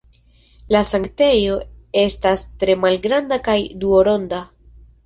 La sanktejo estas tre malgranda kaj duonronda.